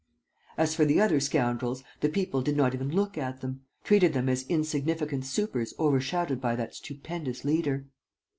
As for the other scoundrels, the people did not even look at them, treated them as insignificant supers overshadowed by that stupendous leader.